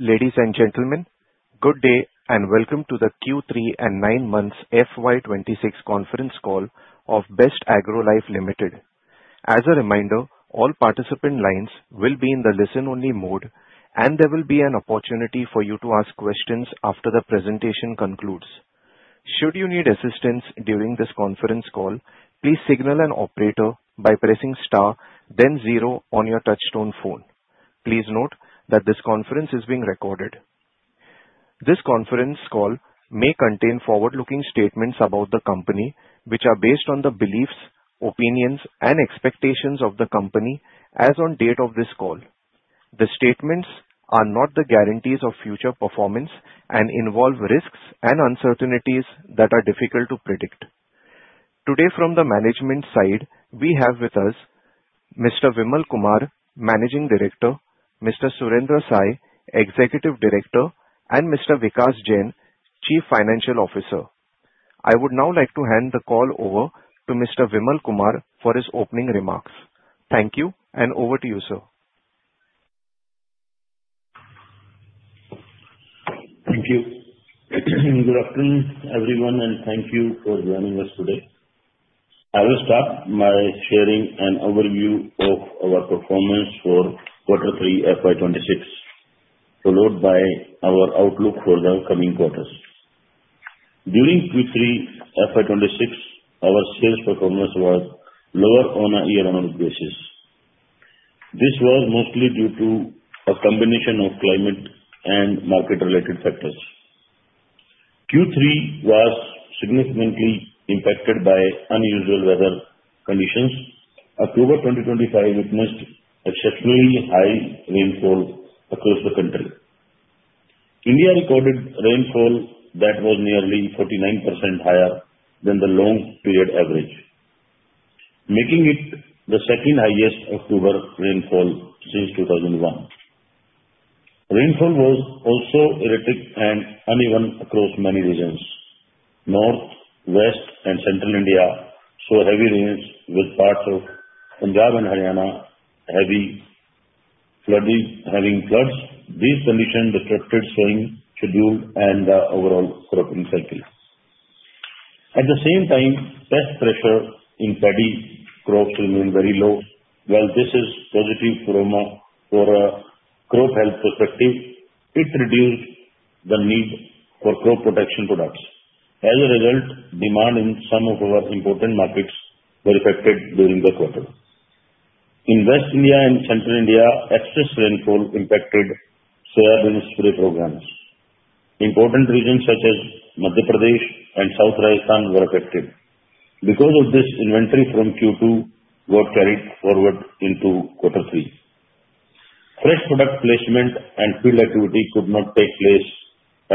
Ladies and gentlemen, good day, and welcome to the Q3 and nine months FY 2026 conference call of Best Agrolife Limited. As a reminder, all participant lines will be in the listen-only mode, and there will be an opportunity for you to ask questions after the presentation concludes. Should you need assistance during this conference call, please signal an operator by pressing star then zero on your touchtone phone. Please note that this conference is being recorded. This conference call may contain forward-looking statements about the company, which are based on the beliefs, opinions, and expectations of the company as on date of this call. The statements are not the guarantees of future performance and involve risks and uncertainties that are difficult to predict. Today, from the management side, we have with us Mr. Vimal Kumar, Managing Director; Mr. Surendra Sai, Executive Director; and Mr. Vikas Jain, Chief Financial Officer. I would now like to hand the call over to Mr. Vimal Kumar for his opening remarks. Thank you, and over to you, sir. Thank you. Good afternoon, everyone, and thank you for joining us today. I will start by sharing an overview of our performance for quarter three FY26, followed by our outlook for the upcoming quarters. During Q3 FY26, our sales performance was lower on a year-on-year basis. This was mostly due to a combination of climate and market-related factors. Q3 was significantly impacted by unusual weather conditions. October 2025 witnessed exceptionally high rainfall across the country. India recorded rainfall that was nearly 49% higher than the long period average, making it the second highest October rainfall since 2001. Rainfall was also erratic and uneven across many regions. North, West, and Central India saw heavy rains, with parts of Punjab and Haryana heavy flooding, having floods. These conditions disrupted sowing schedule and the overall cropping cycle. At the same time, pest pressure in paddy crops remained very low. While this is positive from a, for a crop health perspective, it reduced the need for crop protection products. As a result, demand in some of our important markets were affected during the quarter. In West India and Central India, excess rainfall impacted soybean supply programs. Important regions such as Madhya Pradesh and South Rajasthan were affected. Because of this, inventory from Q2 were carried forward into quarter three. Fresh product placement and field activity could not take place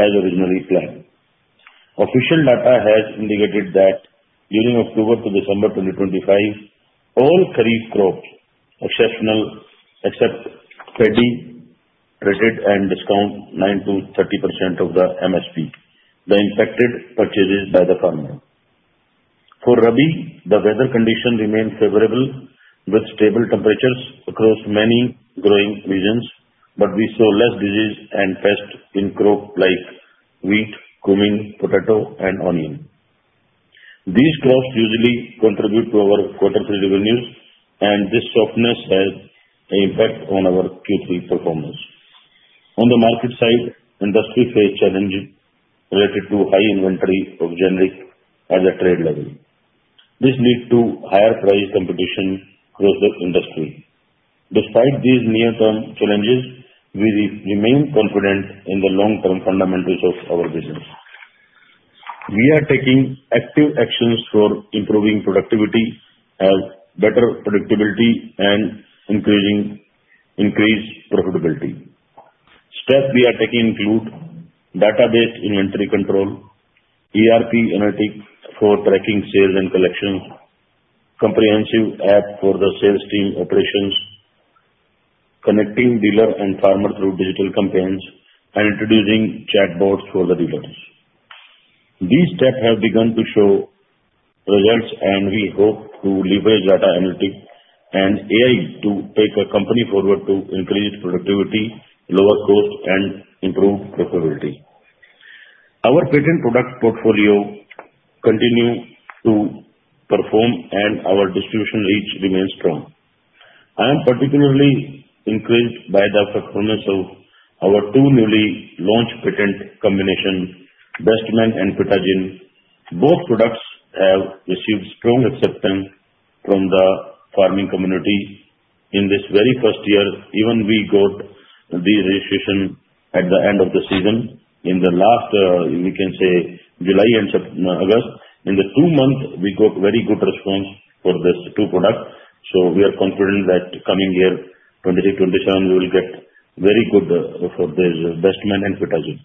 as originally planned. Official data has indicated that during October to December 2025, all kharif crops exceptional, except paddy, traded and discount 9%-30% of the MSP, the impacted purchases by the farmer. For rabi, the weather condition remained favorable, with stable temperatures across many growing regions, but we saw less disease and pest in crop like wheat, cumin, potato, and onion. These crops usually contribute to our quarter three revenues, and this softness has impact on our Q3 performance. On the market side, industry faces challenges related to high inventory of generics at the trade level. This led to higher price competition across the industry. Despite these near-term challenges, we remain confident in the long-term fundamentals of our business. We are taking active actions for improving productivity and better predictability and increased profitability. Steps we are taking include database inventory control, ERP analytics for tracking sales and collections, comprehensive app for the sales team operations, connecting dealer and farmer through digital campaigns, and introducing chatbots for the dealers. These steps have begun to show results, and we hope to leverage data analytics and AI to take the company forward to increase productivity, lower costs, and improve profitability. Our patented product portfolio continue to perform, and our distribution reach remains strong. I am particularly intrigued by the performance of our two newly launched patented combination, Bestman and Fetagen. Both products have received strong acceptance from the farming community. In this very first year, even we got the registration at the end of the season. In the last, we can say August and September, in the two months, we got very good response for these two products, so we are confident that coming year, 2026, 2027, we will get very good, for the Bestman and Fetagen.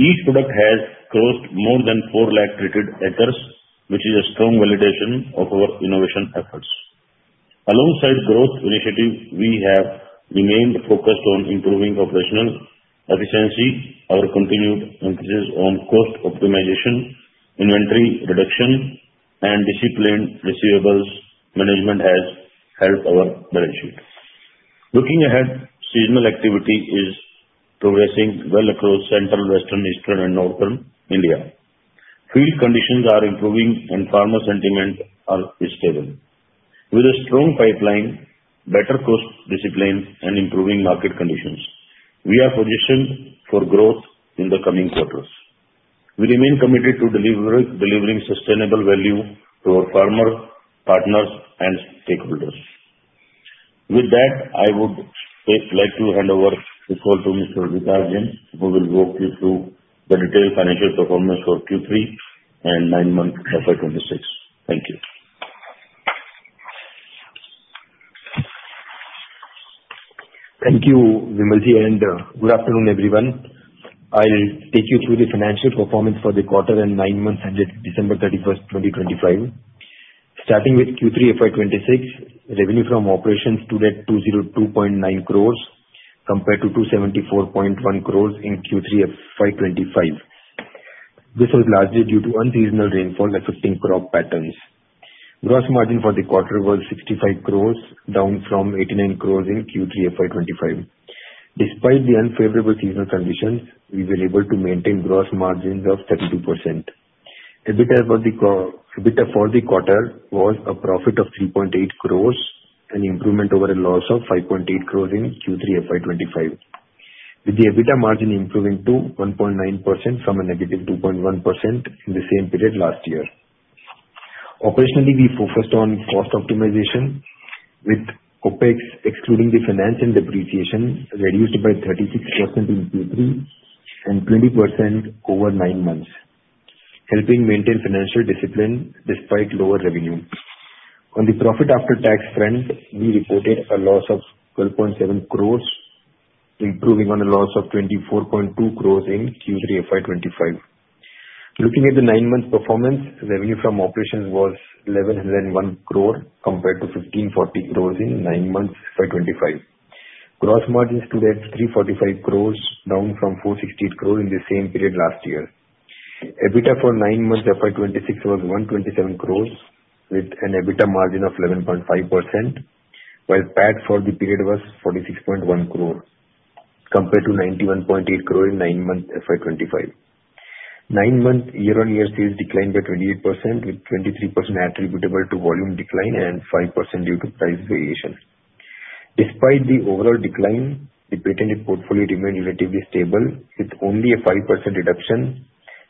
Each product has crossed more than 400,000 treated acres, which is a strong validation of our innovation efforts. Alongside growth initiatives, we have remained focused on improving operational efficiency. Our continued emphasis on cost optimization, inventory reduction, and disciplined receivables management has helped our balance sheet. Looking ahead, seasonal activity is progressing well across central, western, eastern, and northern India. Field conditions are improving and farmer sentiment is stable. With a strong pipeline, better cost discipline, and improving market conditions, we are positioned for growth in the coming quarters. We remain committed to delivering sustainable value to our farmer, partners, and stakeholders. With that, I would like to hand over the call to Mr. Vikas Jain, who will walk you through the detailed financial performance for Q3 and 9 months FY 2026. Thank you. Thank you, Vimal Ji, and good afternoon, everyone. I'll take you through the financial performance for the quarter and nine months ended December 31st, 2025. Starting with Q3 FY26, revenue from operations stood at 202.9 crore, compared to 274.1 crore in Q3 FY25. This is largely due to unreasonable rainfall affecting crop patterns. Gross margin for the quarter was 65 crore, down from 89 crore in Q3 FY25. Despite the unfavorable seasonal conditions, we were able to maintain gross margins of 70%. EBITDA for the quarter was a profit of 3.8 crore, an improvement over a loss of 5.8 crore in Q3 FY25, with the EBITDA margin improving to 1.9% from a negative 2.1% in the same period last year. Operationally, we focused on cost optimization, with OpEx, excluding the finance and depreciation, reduced by 36% in Q3 and 20% over nine months, helping maintain financial discipline despite lower revenue. On the profit after tax front, we reported a loss of 12.7 crore, improving on a loss of 24.2 crore in Q3 FY 2025. Looking at the nine-month performance, revenue from operations was 1,101 crore, compared to 1,540 crore in nine months FY 2025. Gross margins stood at 345 crore, down from 460 crore in the same period last year. EBITDA for nine months FY 2026 was 127 crore, with an EBITDA margin of 11.5%, while PAT for the period was 46.1 crore, compared to 91.8 crore in nine months FY 2025. Nine-month year-on-year sales declined by 28%, with 23% attributable to volume decline and 5% due to price variations. Despite the overall decline, the patented portfolio remained relatively stable, with only a 5% reduction,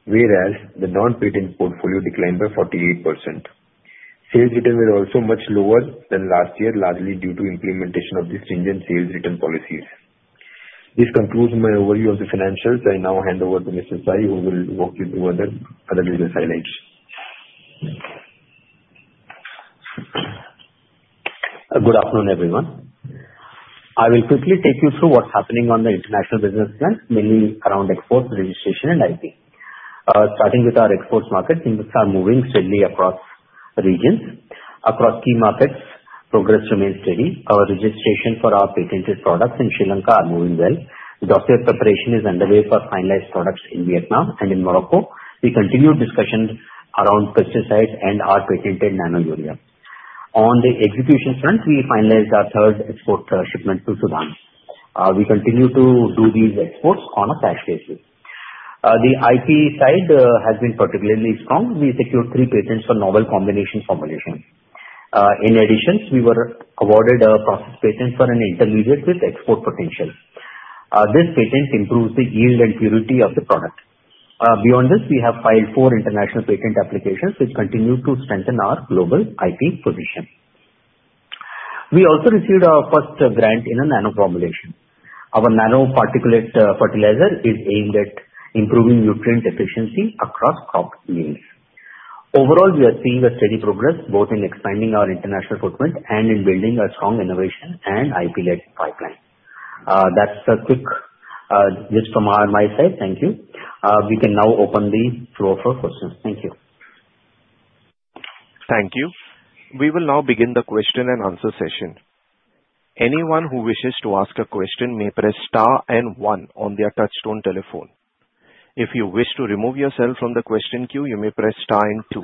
whereas the non-patented portfolio declined by 48%. Sales returns were also much lower than last year, largely due to implementation of the stringent sales return policies. This concludes my overview of the financials. I now hand over to Mr. Sai, who will walk you through other business highlights. Good afternoon, everyone. I will quickly take you through what's happening on the international business front, mainly around export, registration, and IP. Starting with our export markets, things are moving steadily across the regions. Across key markets, progress remains steady. Our registration for our patented products in Sri Lanka are moving well. Dossier preparation is underway for finalized products in Vietnam and in Morocco. We continue discussions around pesticides and our patented Nano Urea. On the execution front, we finalized our third export shipment to Sudan. We continue to do these exports on a cash basis. The IP side has been particularly strong. We secured three patents for novel combination formulation. In addition, we were awarded a process patent for an intermediate with export potential. This patent improves the yield and purity of the product. Beyond this, we have filed four international patent applications, which continue to strengthen our global IP position. We also received our first grant in a nano formulation. Our nano particulate fertilizer is aimed at improving nutrient efficiency across crop means. Overall, we are seeing a steady progress, both in expanding our international footprint and in building a strong innovation and IP-led pipeline. That's a quick glimpse from our, my side. Thank you. We can now open the floor for questions. Thank you. Thank you. We will now begin the question and answer session. Anyone who wishes to ask a question may press star and one on their touchtone telephone. If you wish to remove yourself from the question queue, you may press star and two.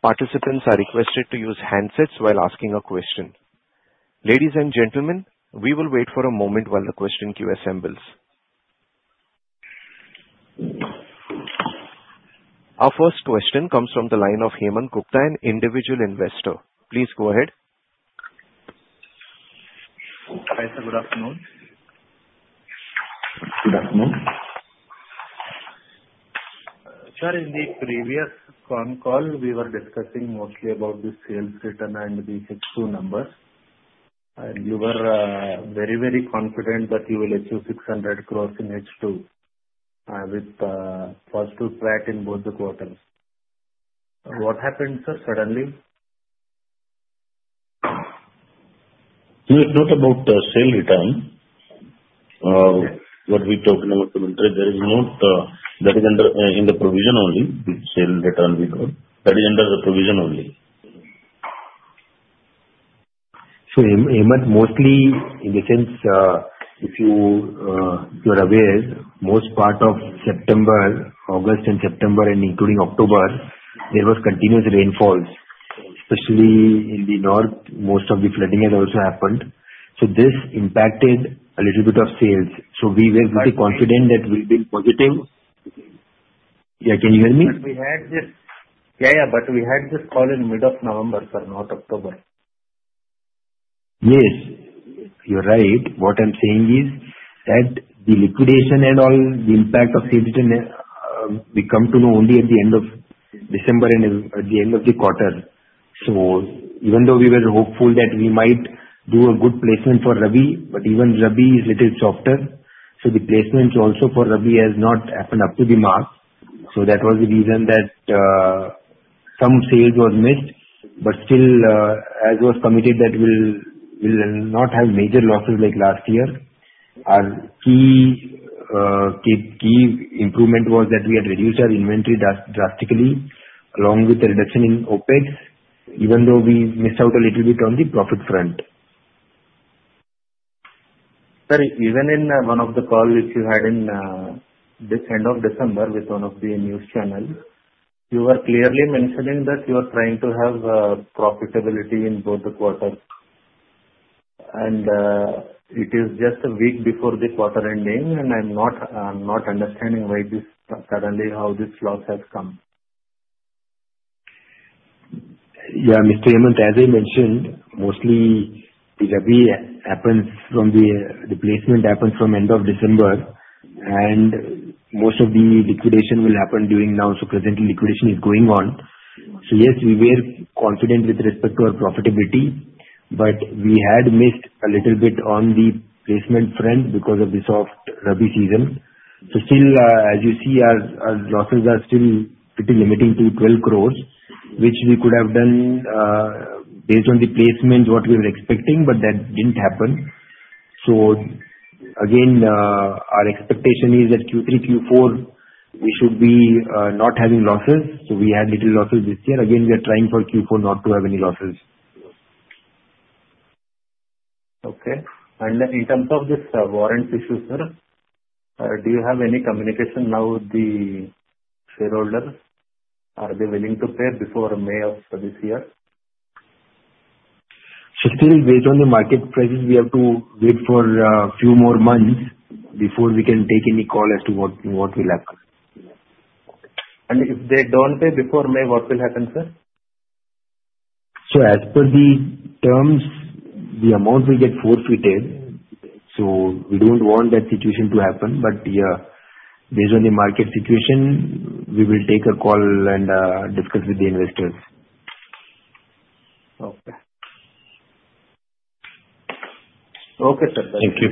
Participants are requested to use handsets while asking a question. Ladies and gentlemen, we will wait for a moment while the question queue assembles. Our first question comes from the line of Hemant Gupta, an individual investor. Please go ahead. Hi, sir. Good afternoon. Good afternoon. Sir, in the previous phone call, we were discussing mostly about the sales return and the H2 numbers. You were very, very confident that you will achieve 600 crore in H2 with positive flat in both the quarters. What happened, sir, suddenly? It was not about the sale return. What we talking about, there is not, that is under, in the provision only, the sale return we got. That is under the provision only.... So, Hemant, mostly, in the sense, if you are aware, most part of September, August and September and including October, there was continuous rainfalls, especially in the north, most of the flooding has also happened. So this impacted a little bit of sales. So we were pretty confident that we've been positive. Yeah, can you hear me? But we had this. Yeah, yeah, but we had this call in mid of November, sir, not October. Yes, you're right. What I'm saying is that the liquidation and all, the impact of sales return, we come to know only at the end of December and at the end of the quarter. So even though we were hopeful that we might do a good placement for Rabi, but even Rabi is little softer, so the placements also for Rabi has not happened up to the mark. So that was the reason that, some sales were missed, but still, as was committed, that we'll, we'll not have major losses like last year. Our key, key, key improvement was that we had reduced our inventory drastically, along with the reduction in OpEx, even though we missed out a little bit on the profit front. Sir, even in one of the calls which you had in this end of December with one of the news channels, you were clearly mentioning that you are trying to have profitability in both the quarters. It is just a week before the quarter ending, and I'm not not understanding why this suddenly how this loss has come. Yeah, Mr. Hemant, as I mentioned, mostly the Rabi happens from the placement happens from end of December, and most of the liquidation will happen during now, so presently, liquidation is going on. So yes, we were confident with respect to our profitability, but we had missed a little bit on the placement front because of the soft Rabi season. So still, as you see, our losses are still pretty limiting to 12 crore, which we could have done, based on the placement, what we were expecting, but that didn't happen. So again, our expectation is that Q3, Q4, we should be not having losses. So we had little losses this year, again, we are trying for Q4 not to have any losses. Okay. And then in terms of this, warrants issue, sir, do you have any communication now with the shareholders? Are they willing to pay before May of this year? So still based on the market prices, we have to wait for a few more months before we can take any call as to what, what will happen. If they don't pay before May, what will happen, sir? As per the terms, the amounts will get forfeited, so we don't want that situation to happen, but, yeah, based on the market situation, we will take a call and discuss with the investors. Okay. Okay, sir. Thank you.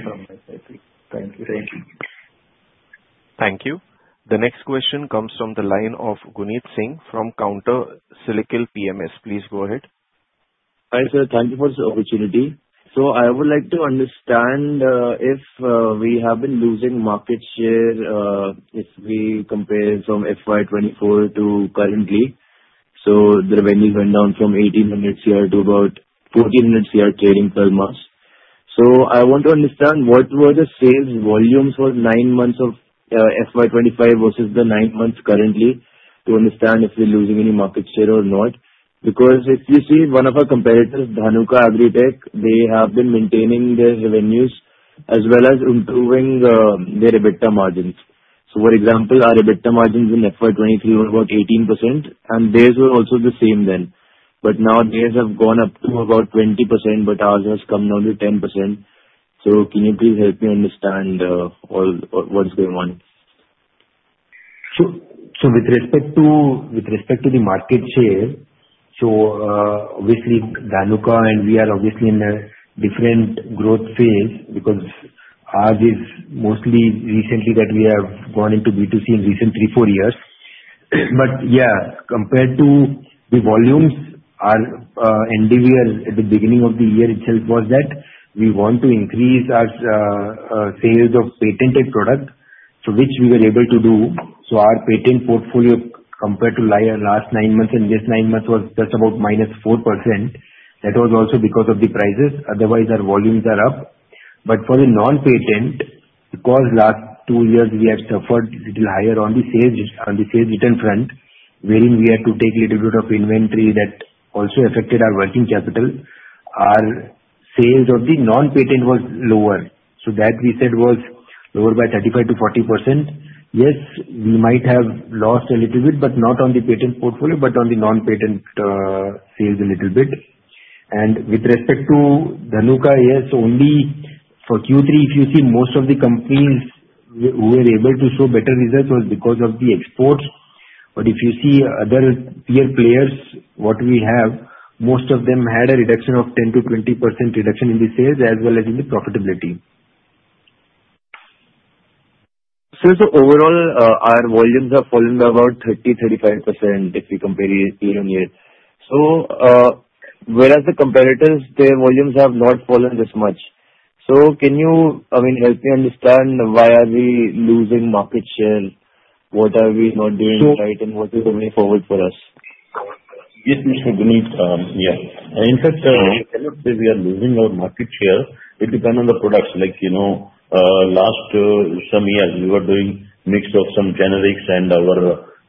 Thank you, thank you. Thank you. The next question comes from the line of Gunit Singh from Counter Cyclical PMS. Please go ahead. Hi, sir, thank you for this opportunity. I would like to understand if we have been losing market share if we compare from FY 2024 to currently. The revenue went down from 1,800 crore to about 1,400 crore during 12 months. I want to understand what were the sales volumes for 9 months of FY 2025 versus the 9 months currently, to understand if we're losing any market share or not. Because if you see one of our competitors, Dhanuka Agritech, they have been maintaining their revenues as well as improving their EBITDA margins. For example, our EBITDA margins in FY 2023 were about 18%, and theirs were also the same then. But now theirs have gone up to about 20%, but ours has come down to 10%. So can you please help me understand what's going on? So, with respect to the market share, so, obviously Dhanuka and we are obviously in a different growth phase, because ours is mostly recently that we have gone into B2C in recent 3-4 years. But yeah, compared to the volumes, our MD year at the beginning of the year itself was that we want to increase our sales of patented products, so which we were able to do. So our patent portfolio compared to last nine months and this nine months, was just about -4%. That was also because of the prices, otherwise our volumes are up. But for the non-patent, because last two years we have suffered a little higher on the sales, on the sales return front, wherein we had to take a little bit of inventory that also affected our working capital, our sales of the non-patent was lower. So that we said was lower by 35%-40%. Yes, we might have lost a little bit, but not on the patent portfolio, but on the non-patent, sales a little bit. And with respect to Dhanuka, yes, only for Q3, if you see, most of the companies were able to show better results was because of the exports. But if you see other peer players, what we have, most of them had a reduction of 10%-20% reduction in the sales as well as in the profitability. So the overall, our volumes have fallen about 30%-35% if we compare year-on-year. So, whereas the competitors, their volumes have not fallen this much. So can you, I mean, help me understand why are we losing market share? What are we not doing right, and what is the way forward for us? Yes, Mr. Vineet. Yeah. In fact, I cannot say we are losing our market share, it depend on the products. Like, you know, last some years, we were doing mix of some generics and our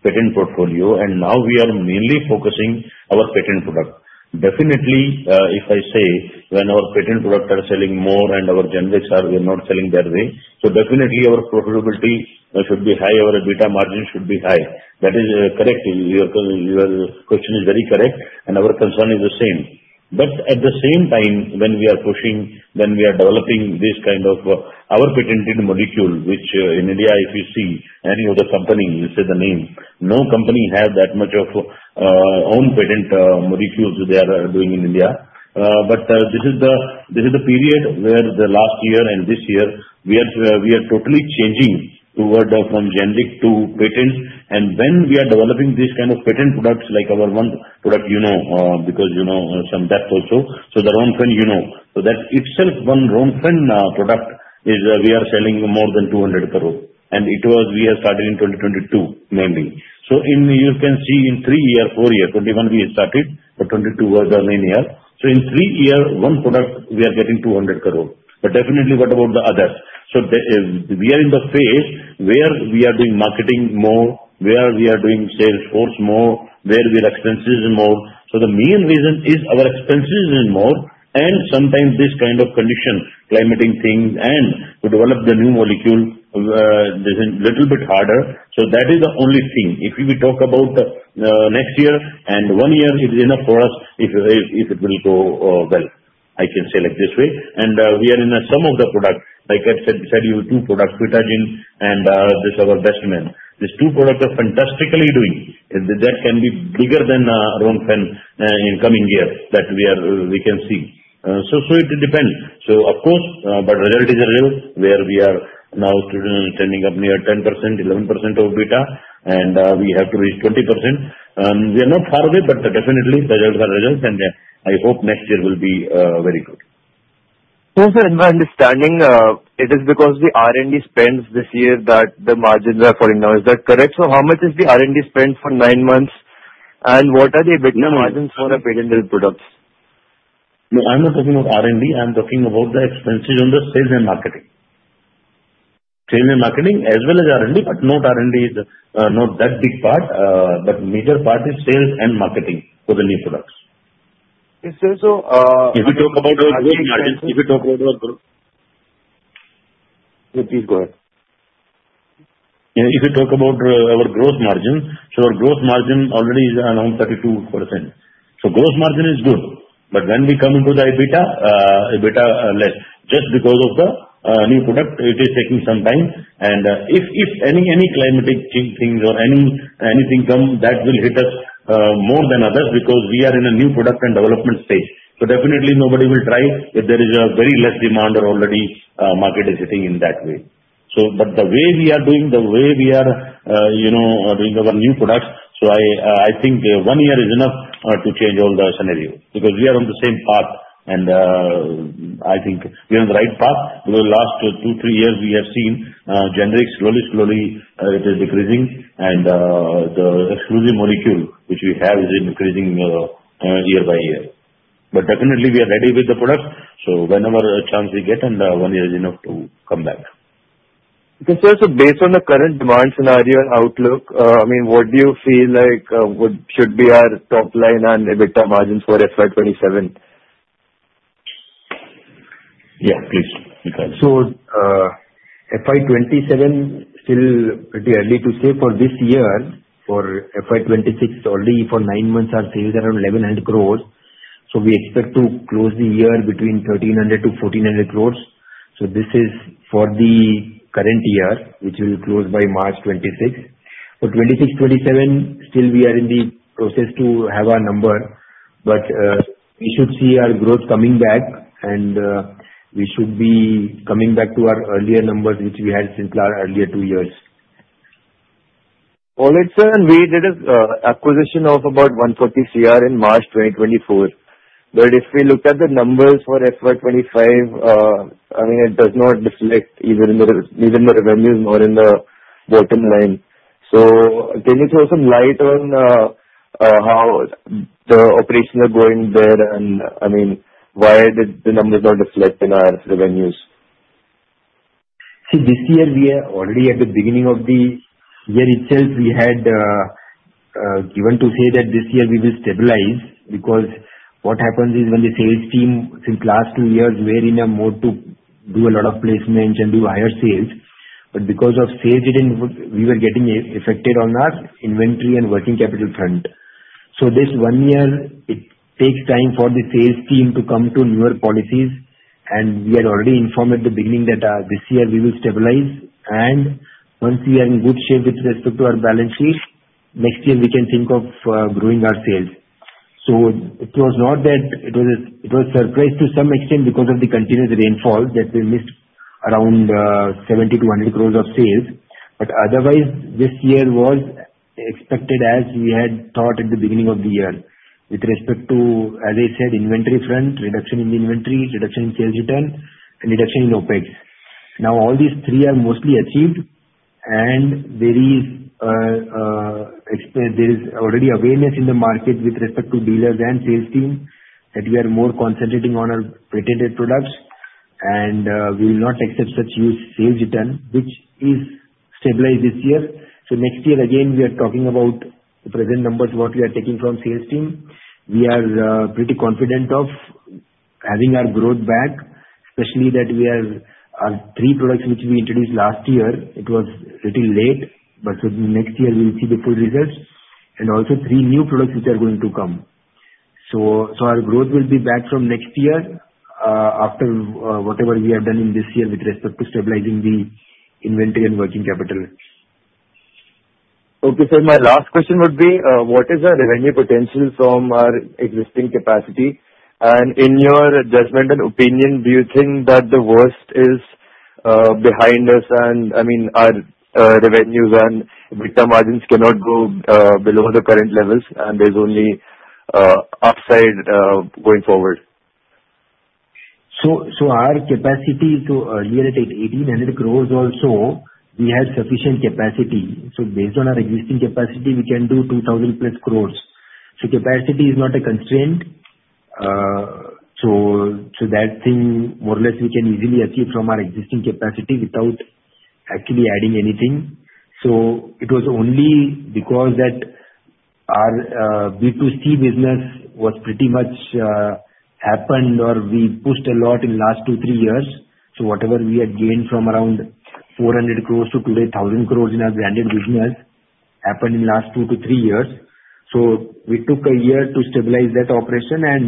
patent portfolio, and now we are mainly focusing our patent product. Definitely, if I say, when our patent product are selling more and our generics are, we're not selling that way. So definitely, our profitability should be high, our EBITDA margin should be high. That is correct. Your co- your question is very correct, and our concern is the same. But at the same time, when we are pushing, when we are developing this kind of, our patented molecule, which, in India, if you see any other company, you say the name, no company have that much of, own patent, molecules they are doing in India. But, this is the, this is the period where the last year and this year, we are, we are totally changing toward from generic to patent, and when we are developing this kind of patent products, like our one product, you know, because you know some depth also. So the Ronfen you know. So that itself, one Ronfen, product, is, we are selling more than 200 crore, and we are started in 2022, mainly. You can see in 3-year, 4-year, 2021 we started, but 2022 was the main year. In 3-year, one product, we are getting 200 crore. But definitely, what about the others? We are in the phase where we are doing marketing more, where we are doing sales force more, where we are expenses more. The main reason is our expenses is more, and sometimes this kind of condition, climate things, and to develop the new molecule, this is little bit harder. That is the only thing. If we talk about next year, and one year it is enough for us, if it will go well, I can say like this way. We are in some of the products, like I said to you, two products, Fetagen and this our Bestman. These two products are fantastically doing. That can be bigger than Ronfen in coming year, that we can see. So it depends. So of course, but result is a result, where we are now standing up near 10%, 11% of EBITDA, and we have to reach 20%. We are not far away, but definitely the results are results, and I hope next year will be very good. So sir, in my understanding, it is because the R&D spends this year that the margins are falling down. Is that correct? So how much is the R&D spend for nine months, and what are the margins for the patent products? No, I'm not talking about R&D, I'm talking about the expenses on the sales and marketing. Sales and marketing, as well as R&D, but not R&D is not that big part, but major part is sales and marketing for the new products. Is there so, If you talk about our gross margin. Please go ahead. If you talk about our gross margin, so our gross margin already is around 32%. So gross margin is good, but when we come into the EBITDA, EBITDA less, just because of the new product, it is taking some time. And if any climatic change things or anything come, that will hit us more than others, because we are in a new product and development stage. So definitely nobody will try, if there is a very less demand or already market is sitting in that way. So, but the way we are doing, the way we are, you know, doing our new products, so I think one year is enough to change all the scenario. Because we are on the same path, and I think we are on the right path. For the last 2, 3 years, we have seen, generic slowly, slowly, it is decreasing, and, the exclusive molecule, which we have, is increasing, year by year. But definitely we are ready with the product, so whenever a chance we get, and, 1 year is enough to come back. Okay, sir. So based on the current demand scenario outlook, I mean, what do you feel like would should be our top line and EBITDA margins for FY 2027? Yeah, please, you can. FY 2027, still pretty early to say. For this year, for FY 2026, only for nine months, our sales are around 1,100 crore, so we expect to close the year between 1,300 crore-1,400 crore. So this is for the current year, which will close by March 26th. For 2026-2027, still we are in the process to have our number, but, we should see our growth coming back, and, we should be coming back to our earlier numbers, which we had since our earlier two years. Punit, sir, we did a acquisition of about 140 crore in March 2024. But if we look at the numbers for FY 2025, I mean, it does not reflect even in the, even in the revenues, nor in the bottom line. So, can you throw some light on, how the operations are going there, and, I mean, why are the, the numbers not reflect in our revenues? See, this year, we are already at the beginning of the year itself, we had given to say that this year we will stabilize. Because what happens is, when the sales team since last two years, we're in a mode to do a lot of placements and do higher sales, but because of sales, it didn't work, we were getting affected on our inventory and working capital front. So this one year, it takes time for the sales team to come to newer policies, and we had already informed at the beginning that, this year we will stabilize, and once we are in good shape with respect to our balance sheet, next year we can think of, growing our sales. So it was not that... It was surprised to some extent because of the continuous rainfall that we missed around 70-100 crore of sales. But otherwise, this year was expected as we had thought at the beginning of the year, with respect to, as I said, inventory front, reduction in inventory, reduction in sales return, and reduction in OpEx. Now, all these three are mostly achieved, and there is already awareness in the market with respect to dealers and sales team, that we are more concentrating on our patented products. We will not accept such huge sales return, which is stabilized this year. Next year, again, we are talking about the present numbers, what we are taking from sales team. We are pretty confident of having our growth back, especially that we have our three products which we introduced last year. It was little late, but so the next year we will see the full results, and also three new products which are going to come. So, so our growth will be back from next year, after, whatever we have done in this year with respect to stabilizing the inventory and working capital. Okay, so my last question would be, what is our revenue potential from our existing capacity? And in your judgment and opinion, do you think that the worst is behind us and, I mean, our revenues and EBITDA margins cannot go below the current levels, and there's only upside going forward? So, our capacity to, year to date, 1,800 crore also, we have sufficient capacity. So based on our existing capacity, we can do 2,000+ crore. So capacity is not a constraint. So, that thing, more or less, we can easily achieve from our existing capacity without actually adding anything. So it was only because that our, B2C business was pretty much, happened, or we pushed a lot in last two, three years. So whatever we had gained from around 400 crore to today, 1,000 crore in our branded business, happened in last two to three years. So we took a year to stabilize that operation, and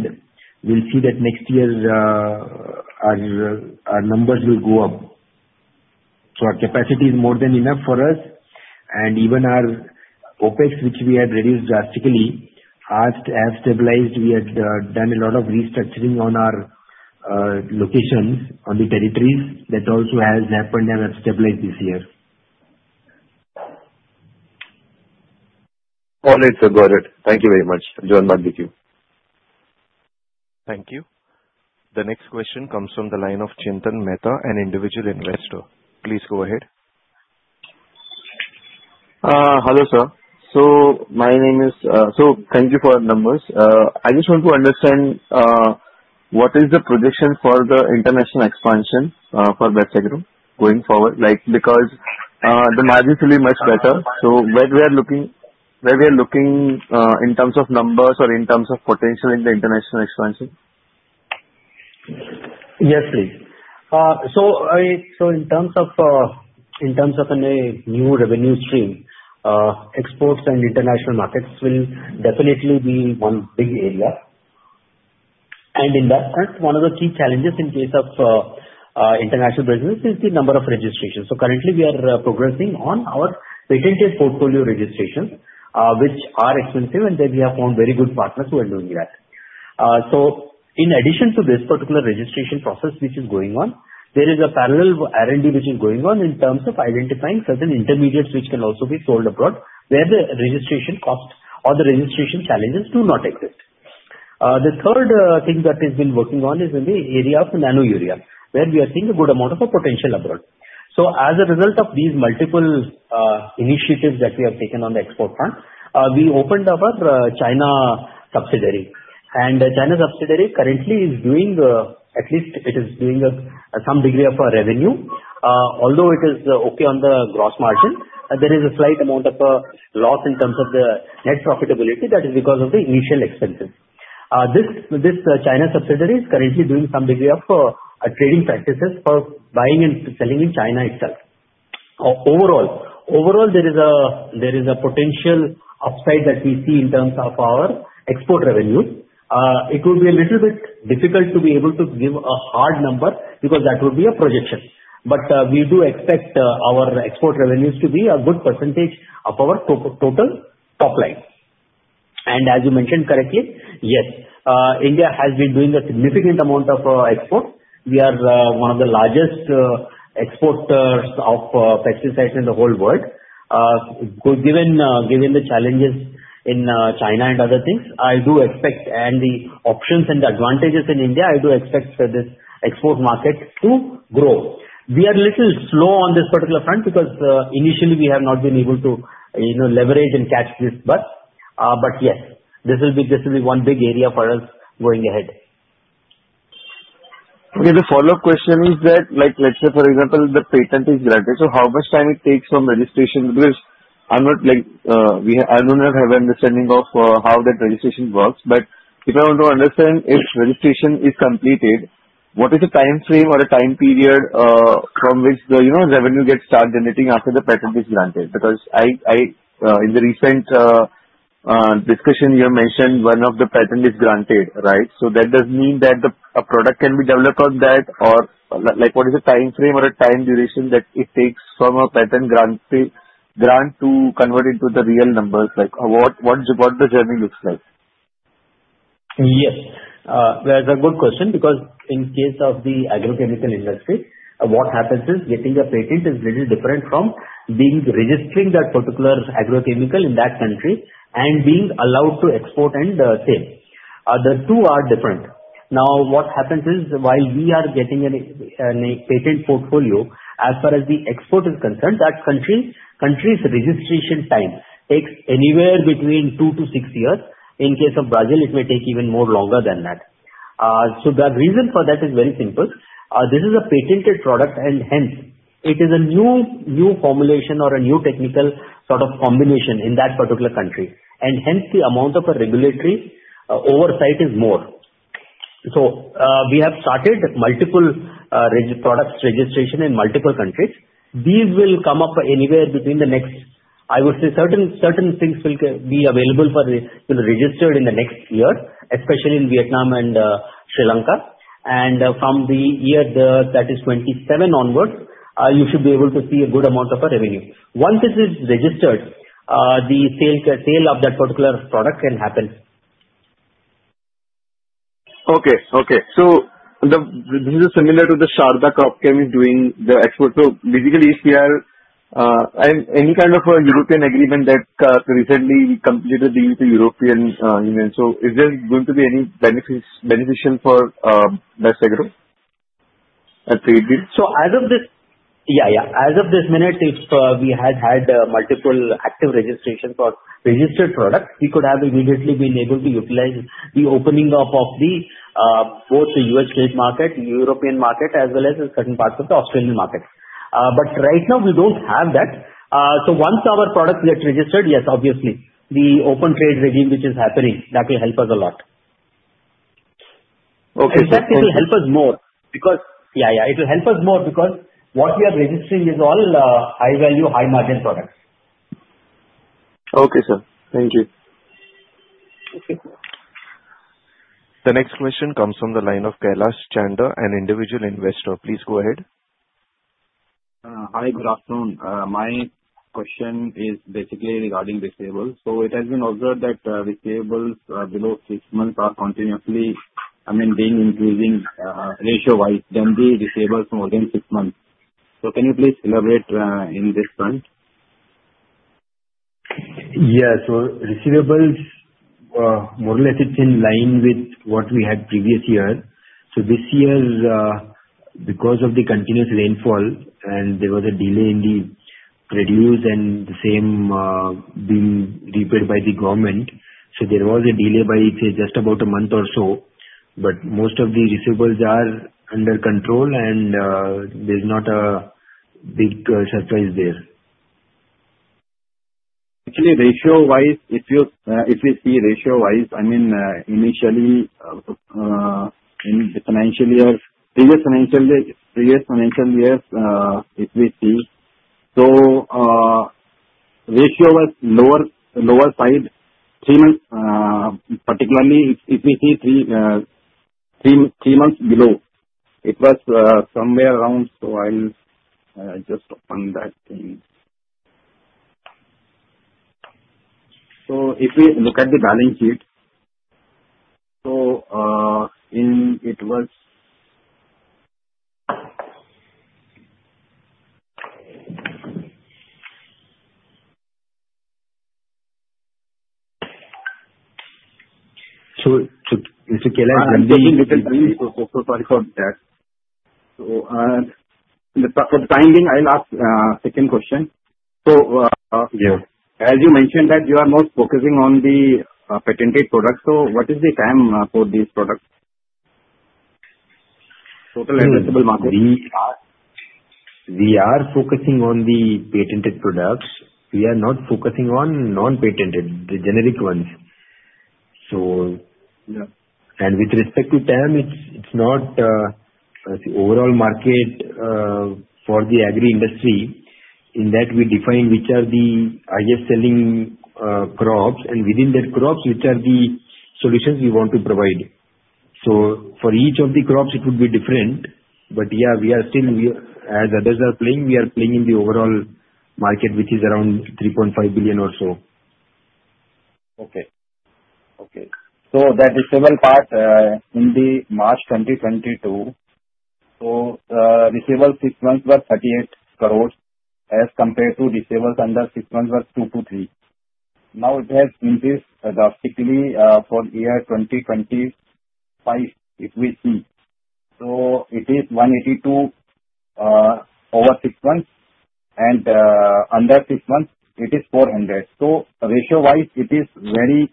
we'll see that next year, our, our numbers will go up. So our capacity is more than enough for us, and even our OpEx, which we have reduced drastically, as stabilized, we had done a lot of restructuring on our locations on the territories. That also has happened and have stabilized this year. All right, sir. Got it. Thank you very much. John Madhuki. Thank you. The next question comes from the line of Chintan Mehta, an individual investor. Please go ahead. Hello, sir. So my name is... Thank you for your numbers. I just want to understand, what is the projection for the international expansion, for Best Agrolife going forward? Like, because, the margins will be much better, so where we are looking, where we are looking, in terms of numbers or in terms of potential in the international expansion? Yes, please. So in terms of a new revenue stream, exports and international markets will definitely be one big area. And in that, and one of the key challenges in case of international business is the number of registrations. So currently, we are progressing on our patented portfolio registrations, which are expensive, and then we have found very good partners who are doing that. So in addition to this particular registration process which is going on, there is a parallel R&D which is going on in terms of identifying certain intermediates which can also be sold abroad, where the registration cost or the registration challenges do not exist. The third thing that has been working on is in the area of Nano Urea, where we are seeing a good amount of a potential abroad. So as a result of these multiple initiatives that we have taken on the export front, we opened up a China subsidiary. And the China subsidiary currently is doing, at least it is doing, some degree of revenue. Although it is okay on the gross margin, there is a slight amount of loss in terms of the net profitability. That is because of the initial expenses. This China subsidiary is currently doing some degree of trading practices for buying and selling in China itself. Overall, there is a potential upside that we see in terms of our export revenues. It will be a little bit difficult to be able to give a hard number, because that would be a projection. But we do expect our export revenues to be a good percentage of our total top line. And as you mentioned correctly, yes, India has been doing a significant amount of export. We are one of the largest exporters of pesticides in the whole world. Given the challenges in China and other things, I do expect... And the options and the advantages in India, I do expect this export market to grow. We are a little slow on this particular front because initially we have not been able to, you know, leverage and catch this, but yes, this will be one big area for us going ahead. Okay, the follow-up question is that, like, let's say for example, the patent is granted. So how much time it takes for registration? Because I'm not like, I do not have understanding of, how the registration works, but if I want to understand if registration is completed, what is the timeframe or a time period, from which the, you know, revenue gets charged anything after the patent is granted? Because I, in the recent discussion, you mentioned one of the patent is granted, right? So that does mean that the, a product can be developed on that or like, like, what is the timeframe or a time duration that it takes from a patent grant to convert into the real numbers, like what, what, what the journey looks like?... Yes. That's a good question, because in case of the agrochemical industry, what happens is, getting a patent is little different from registering that particular agrochemical in that country, and being allowed to export and sell. The two are different. Now, what happens is, while we are getting a patent portfolio, as far as the export is concerned, that country's registration time takes anywhere between 2-6 years. In case of Brazil, it may take even more longer than that. So the reason for that is very simple. This is a patented product, and hence, it is a new formulation or a new technical sort of combination in that particular country, and hence, the amount of regulatory oversight is more. So, we have started multiple product registrations in multiple countries. These will come up anywhere between the next. I would say certain things will be available and will be registered in the next year, especially in Vietnam and Sri Lanka. And from the year that is 2027 onwards, you should be able to see a good amount of revenue. Once this is registered, the sale of that particular product can happen. Okay, okay. So this is similar to the Sharda Cropchem doing the export. So basically, we are. And any kind of a European agreement that recently completed the with the European Union. So is there going to be any benefits-beneficiary for that sector, free deal? Yeah, yeah. As of this minute, if we had had multiple active registration for registered products, we could have immediately been able to utilize the opening up of both the U.S. trade market, European market, as well as certain parts of the Australian market. But right now, we don't have that. So once our product gets registered, yes, obviously, the open trade regime which is happening, that will help us a lot. Okay, thank you. In fact, it will help us more because... Yeah, yeah, it will help us more because what we are registering is all high value, high margin products. Okay, sir. Thank you. Okay. The next question comes from the line of Kailash Chander, an individual investor. Please go ahead. Hi, good afternoon. My question is basically regarding receivables. So it has been observed that receivables below six months are continuously, I mean, being increasing, ratio-wise than the receivables more than six months. So can you please elaborate in this front? Yeah. So receivables, more or less it's in line with what we had previous year. So this year, because of the continuous rainfall and there was a delay in the produce and the same, being repaid by the government. So there was a delay by just about a month or so, but most of the receivables are under control and, there's not a big, surprise there. Actually, ratio-wise, if you, if you see ratio-wise, I mean, in the financial year, previous financial year, previous financial year, if we see. So, ratio was lower, lower side, three month, particularly if, if we see three, three, three months below. It was, somewhere around... So I'll, just open that thing. So if we look at the balance sheet, so, in... It was- So, Kailash, can we- So, so sorry for that. So, for the time being, I'll ask second question. So, Yeah. As you mentioned that you are more focusing on the patented products, so what is the time for these products? Total addressable market. We are focusing on the patented products. We are not focusing on non-patented, the generic ones. So- Yeah. With respect to time, it's not the overall market for the agri industry. In that, we define which are the highest selling crops, and within that crops, which are the solutions we want to provide. So for each of the crops, it would be different. But yeah, we are still... As others are playing, we are playing in the overall market, which is around 3.5 billion or so. Okay. Okay. So the receivable part, in the March 2022, so, receivable six months was 38 crore, as compared to receivables under six months was 2-3 crore. Now it has increased drastically, from year 2025, if we see. So it is 182, over six months, and, under six months, it is 400. So ratio-wise, it is very,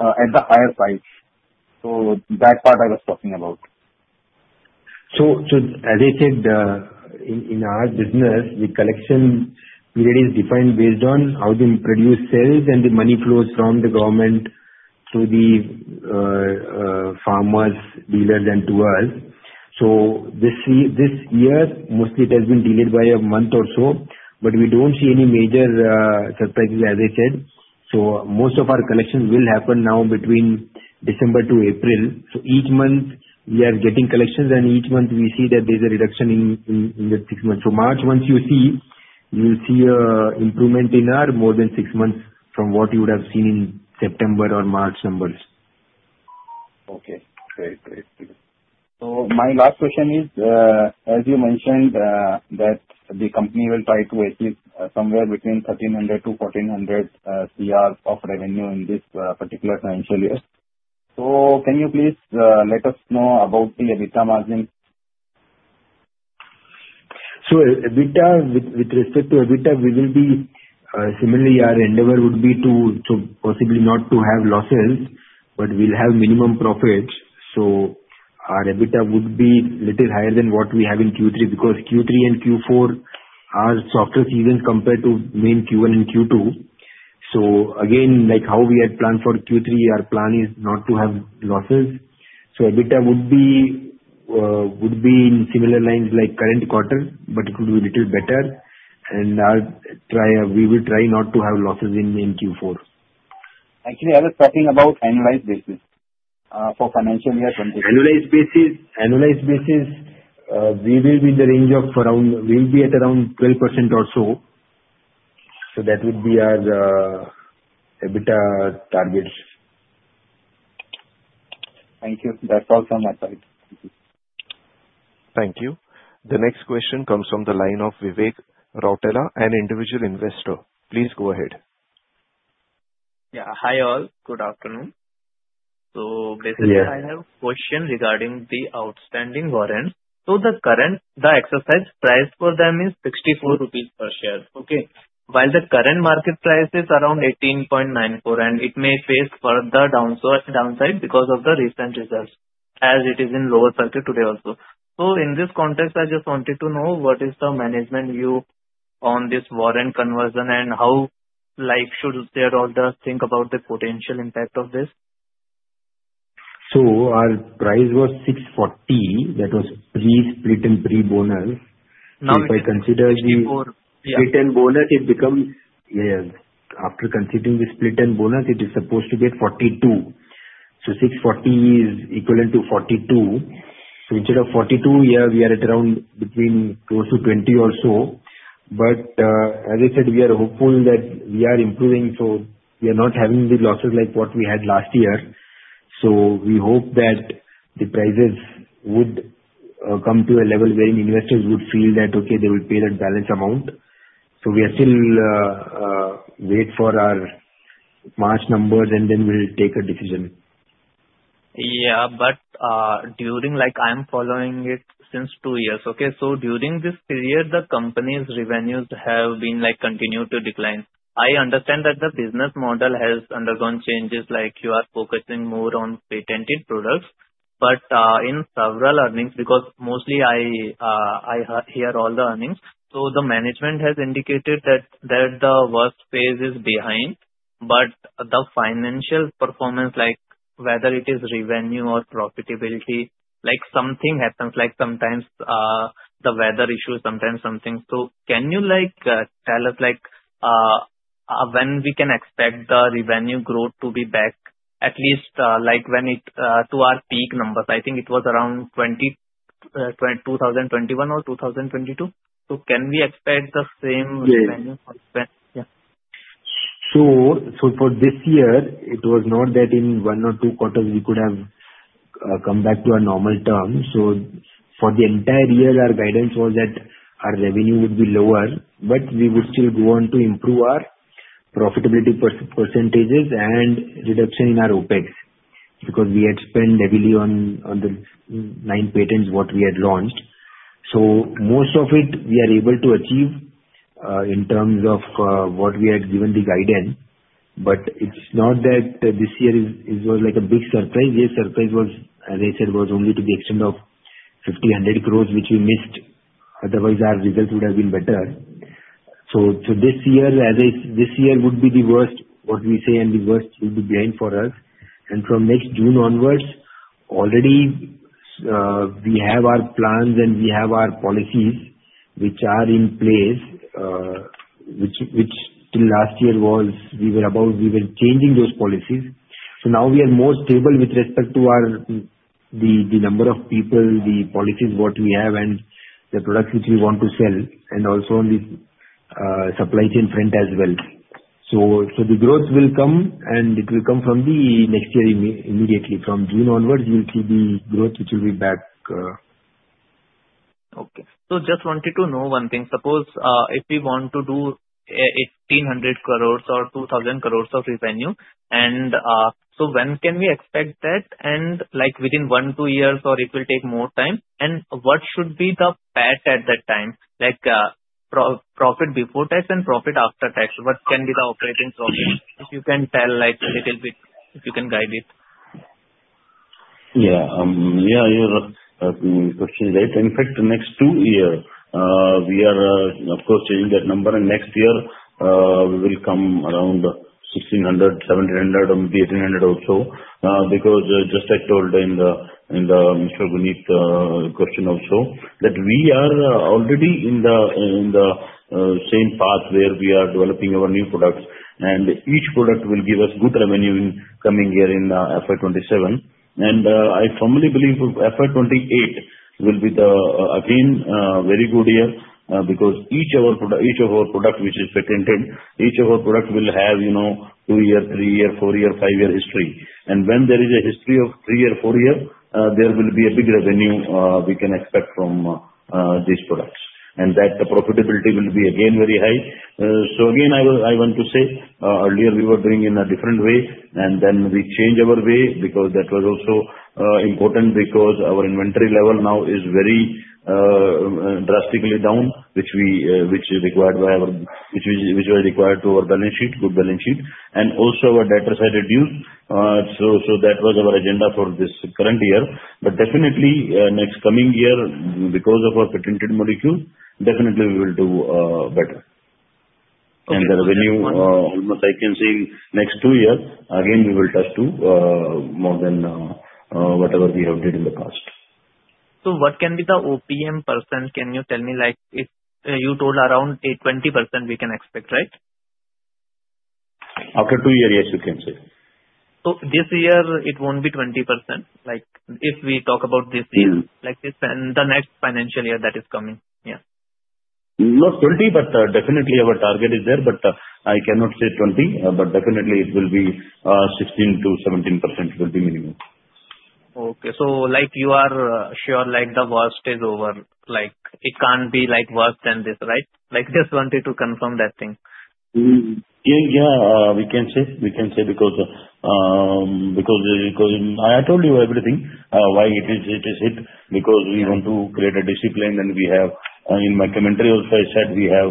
at the higher side. So that part I was talking about. So as I said, in our business, the collection period is defined based on how the produce sales and the money flows from the government to the farmers, dealers, and to us. So this year, mostly it has been delayed by a month or so, but we don't see any major surprises, as I said. So most of our collections will happen now between December to April. So each month, we are getting collections, and each month we see that there's a reduction in the six months. So in March, once you see, you'll see a improvement in our more than six months from what you would have seen in September or March numbers. Okay. Great, great. So my last question is, as you mentioned, that the company will try to achieve, somewhere between 1,300 crore-1,400 crore of revenue in this, particular financial year. So can you please, let us know about the EBITDA margin? So, EBITDA, with respect to EBITDA, we will be similarly, our endeavor would be to possibly not to have losses, but we'll have minimum profits. So our EBITDA would be little higher than what we have in Q3, because Q3 and Q4 are softer seasons compared to main Q1 and Q2. So again, like how we had planned for Q3, our plan is not to have losses. So EBITDA would be would be in similar lines like current quarter, but it could be a little better, and I'll try we will try not to have losses in Q4. Actually, I was talking about annualized basis for financial year 20-. Annualized basis, annualized basis, we will be in the range of around, we'll be at around 12% or so. So that would be our EBITDA targets. Thank you. That's all from my side. Thank you. The next question comes from the line of Vivek Rautela, an individual investor. Please go ahead. Yeah. Hi, all. Good afternoon. So- Yeah. Basically, I have a question regarding the outstanding warrants. So the current exercise price for them is 64 rupees per share, okay? While the current market price is around 18.94, and it may face further downside, downside because of the recent results, as it is in lower circuit today also. So in this context, I just wanted to know what is the management view on this warrant conversion, and how, like, should shareholder think about the potential impact of this? Our price was 640, that was pre-split and pre-bonus. Now it is 64. After considering the split and bonus, it is supposed to be at 42. So 640 is equivalent to 42. So instead of 42, here we are at around between close to 20 or so. But, as I said, we are hopeful that we are improving, so we are not having the losses like what we had last year. So we hope that the prices would come to a level where investors would feel that, okay, they will pay that balance amount. So we are still wait for our March numbers, and then we'll take a decision. Yeah, but during like, I'm following it since 2 years, okay? So during this period, the company's revenues have been, like, continue to decline. I understand that the business model has undergone changes, like you are focusing more on patented products, but in several earnings, because mostly I hear all the earnings. So the management has indicated that the worst phase is behind, but the financial performance, like, whether it is revenue or profitability, like, something happens, like sometimes the weather issue, sometimes something. So can you like tell us like when we can expect the revenue growth to be back, at least like when it to our peak numbers? I think it was around 2021 or 2022. So can we expect the same revenue? Yeah. Yeah. So, for this year, it was not that in one or two quarters we could come back to a normal term. So for the entire year, our guidance was that our revenue would be lower, but we would still go on to improve our profitability percentages and reduction in our OpEx, because we had spent heavily on the 9 patents what we had launched. So most of it we are able to achieve in terms of what we had given the guidance, but it's not that this year is was like a big surprise. The surprise was, as I said, was only to the extent of 50-100 crore, which we missed; otherwise our results would have been better. So this year, as I... This year would be the worst, what we say, and the worst will be behind for us, and from next June onwards, already, we have our plans and we have our policies which are in place, which, which till last year was, we were about, we were changing those policies. So now we are more stable with respect to our, the, the number of people, the policies what we have, and the products which we want to sell, and also on the, supply chain front as well. So, so the growth will come, and it will come from the next year immediately. From June onwards, you will see the growth, which will be back. Okay. Just wanted to know one thing: suppose if we want to do 1,800 crore or 2,000 crore of revenue, and so when can we expect that? And, like, within one, two years, or it will take more time? And what should be the PAT at that time? Like, profit before tax and profit after tax, what can be the operating profit? If you can tell, like, a little bit, if you can guide it. Yeah. Yeah, your question is right. In fact, next two year, we are, of course, changing that number, and next year, we will come around 1,600, 1,700, or maybe 1,800 or so. Because, just I told in the, in the, Mr. Guneet question also, that we are already in the, in the, same path where we are developing our new products, and each product will give us good revenue in coming year, in, FY 2027. And, I firmly believe FY 2028 will be the, again, very good year, because each our product, each of our product which is patented, each of our product will have, you know, 2 year, 3 year, 4 year, 5 year history. And when there is a history of 3-year, 4-year, there will be a big revenue we can expect from these products.... and that the profitability will be again very high. So again, I will, I want to say, earlier we were doing in a different way, and then we changed our way because that was also important because our inventory level now is very drastically down, which was required to our balance sheet, good balance sheet, and also our debt has reduced. So, so that was our agenda for this current year. But definitely, next coming year, because of our patented molecule, definitely we will do better. And the revenue, almost I can say next two years, again, we will touch to more than whatever we have did in the past. What can be the OPM percent? Can you tell me, like, if you told around a 20% we can expect, right? After two years, yes, you can say. So this year it won't be 20%. Like, if we talk about this year- Mm. —like this and the next financial year that is coming. Yeah. Not 20, but definitely our target is there, but I cannot say 20, but definitely it will be 16%-17% minimum. Okay. So, like, you are sure, like, the worst is over? Like, it can't be, like, worse than this, right? Like, just wanted to confirm that thing. Yeah, yeah, we can say because I told you everything, why it is, because we want to create a discipline, and we have. In my commentary also I said we have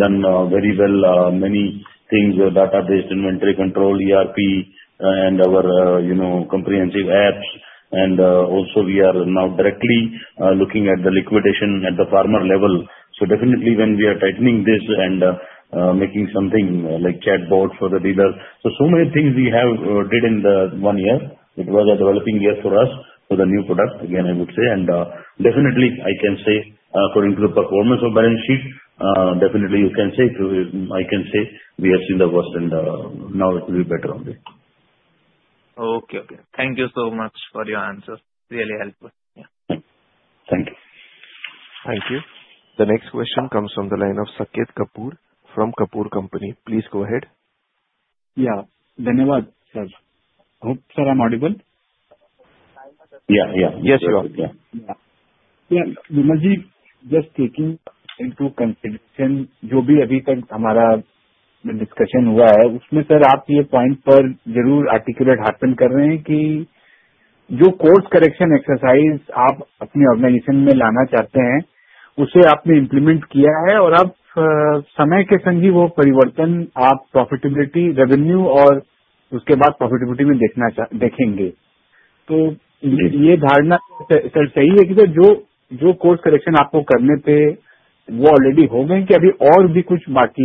done very well many things with database, inventory control, ERP, and our, you know, comprehensive apps. And also we are now directly looking at the liquidation at the farmer level. So definitely when we are tightening this and making something like chatbot for the dealer. So many things we have did in the one year. It was a developing year for us, for the new product, again, I would say. And definitely I can say according to the performance of balance sheet, definitely you can say to... I can say we have seen the worst, and now it will be better only. Okay. Okay. Thank you so much for your answers. Really helpful, yeah. Thank you. Thank you. The next question comes from the line of Saket Kapoor from Kapoor & Co. Please go ahead. Yeah, sir. Hope, sir, I'm audible? Yeah, yeah. Yes, you are. Yeah. Yeah. Vimal ji, just taking into consideration discussion, articulate happen, key do course correction exercise up in organization, implement profitability, revenue or profitability, cha they think they to, yeah, yeah, collection already home and get the all the kuch party,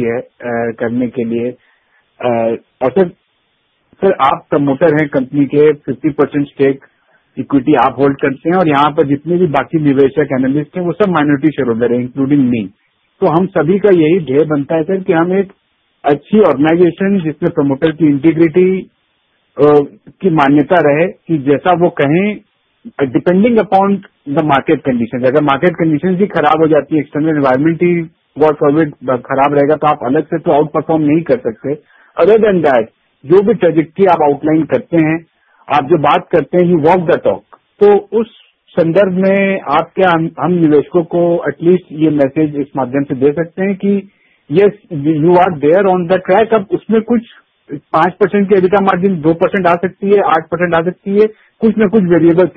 können the awesome. So up promoter company 50% stake equity up hold country or anybody investor analyst, minority shareholder, including me, to him, Sabico, yeah, they banta came a organization promoter integrity, key mania, key, key, well, depending upon the market conditions, other market conditions, external environment, what COVID grab regular outperform? Other than that, trajectory outline, walk the talk to us, Surendra, me, at least message, yes, you are there on the track up 5%, margin 2%-8% variable,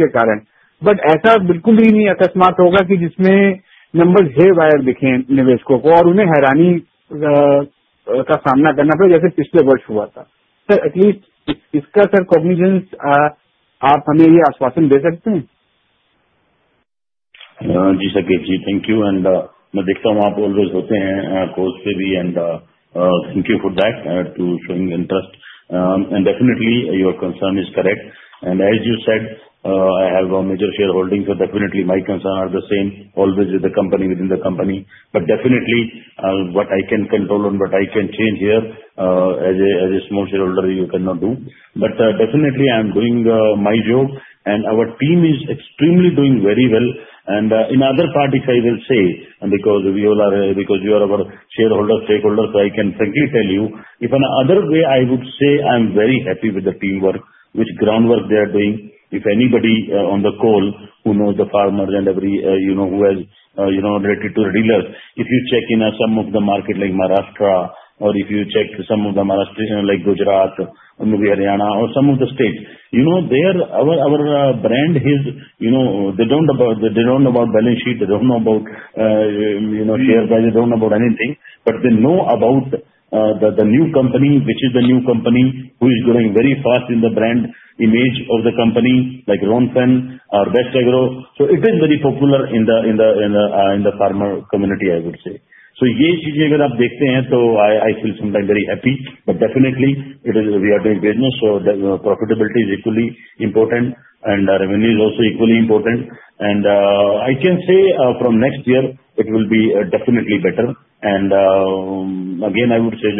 but as a number here, investor or investment return like this last was at least is ka cognizance, absolutely. Ji, Saket ji, thank you, and the day-to-day always are close to me, and thank you for that, for showing interest. Definitely, your concern is correct. As you said, I have a major shareholding, so definitely my concern are the same, always with the company within the company. But definitely, what I can control and what I can change here, as a small shareholder, you cannot do. But definitely, I'm doing my job, and our team is extremely doing very well. In other parties, I will say, and because you all are, because you are our shareholder, stakeholder, so I can frankly tell you, if in other way, I would say I'm very happy with the teamwork, with the groundwork they are doing. If anybody on the call who know the farmers and every, you know, who has, you know, related to the dealers, if you check in some of the market like Maharashtra, or if you check some of the markets, you know, like Gujarat, or maybe Haryana, or some of the states, you know, there our, our brand is, you know, they don't about, they don't know about balance sheet, they don't know about, you know, share price- Mm. They don't know about anything. But they know about the new company, which is the new company, who is growing very fast in the brand image of the company, like Ronfen or Best Agrolife. So it is very popular in the farmer community, I would say. So yeah, if you get up this time, so I feel sometimes very happy. But definitely, it is, we are doing business, so the profitability is equally important, and revenue is also equally important. And I can say from next year, it will be definitely better. And again, I would say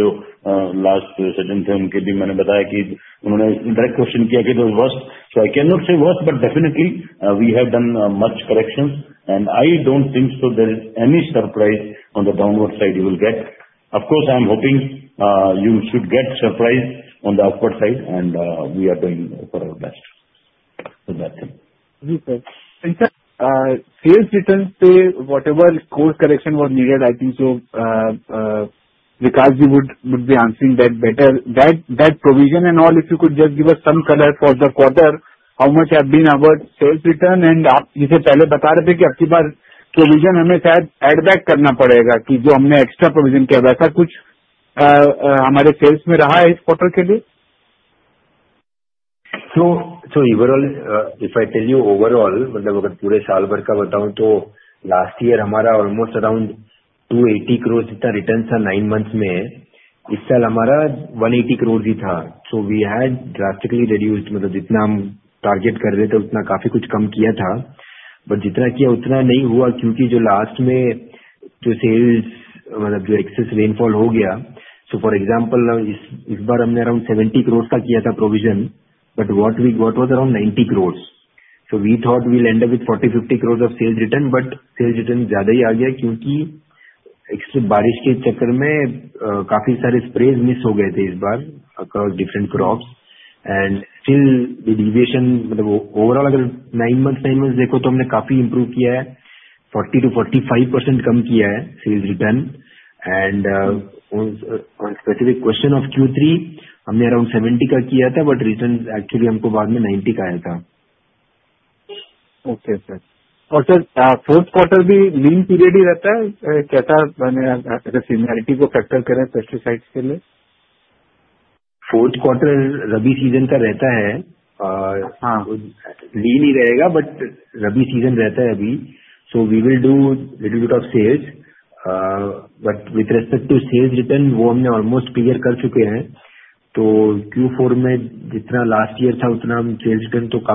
last certain thing, getting my birthday is when I direct question the worst. So I cannot say worst, but definitely, we have done much corrections, and I don't think so there is any surprise on the downward side you will get. Of course, I'm hoping, you should get surprise on the upward side, and, we are doing for our best.... Ji sir, and sir, sales return say whatever course correction was needed, I think so, Vikasji would be answering that better. That provision and all, if you could just give us some color for the quarter, how much have been our sales return? And provision add back extra provision, sales quarter. So, so overall, if I tell you overall, last year almost around 280 crore return 9 months May, this year 180 crore. So we had drastically reduced target quite, but last May sales, excess rainfall. So for example, around 70 crore provision, but what we got was around 90 crore. So we thought we'll end up with 40-50 crore of sales return, but sales return, because extra rain missed different crops and still the deviation, overall, 9 months, 10 months improve 40%-45% sales return. And on specific question of Q3, around 70, but returns actually INR 90 crore. Okay, sir. And sir, fourth quarter period seasonality factor pesticides? Fourth quarter season, but Rabi season, so we will do little bit of sales, but with respect to sales return, almost clear Q4 last year, sales return 50%-60%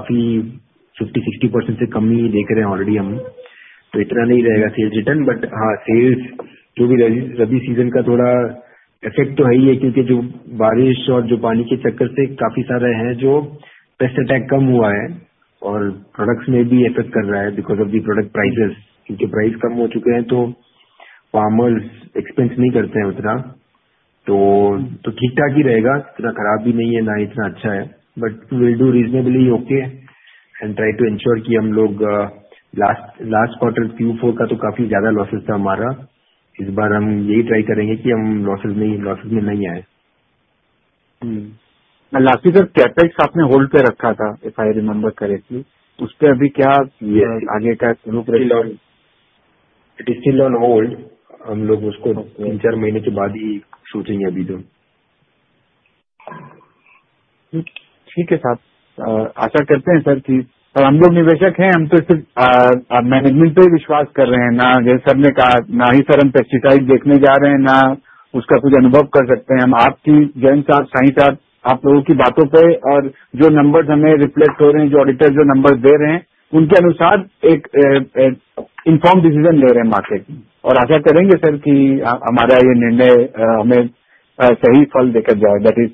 already. So it's not sales return, but sales Rabi season effect, because rain product affect because of the product prices. Price farmers expense. So, so okay, but we'll do reasonably okay and try to ensure last, last quarter Q4 losses. This time losses. Hmm, last year Capex hold if I remember correctly. It is still on hold. 4 months. Okay, sir. Sir, investor management, pesticides... left-hand side, numbers numbers inform decision market. And I hope, sir, that is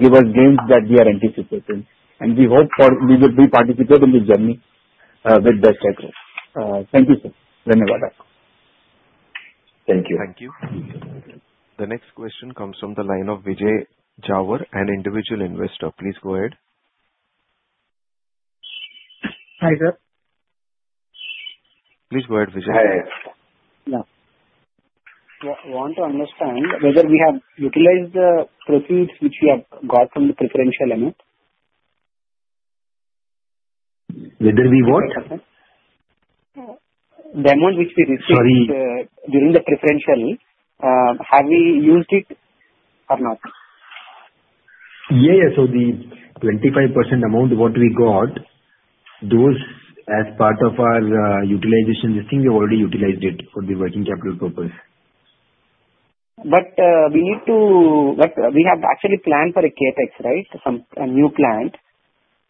give us gains that we are anticipating, and we hope for we will be participate in this journey with Best Agrolife. Thank you, sir. Thank you very much. Thank you. Thank you. The next question comes from the line of Vijay Jhawar, an individual investor. Please go ahead. Hi, sir. Please go ahead, Vijay. Hi. Yeah. We want to understand whether we have utilized the proceeds which we have got from the preferential amount. Whether we what? The amount which we received- Sorry. During the preferential, have we used it or not? Yeah, yeah. So the 25% amount, what we got, those as part of our utilization, I think we already utilized it for the working capital purpose. We have actually planned for a CapEx, right? Some, a new plant.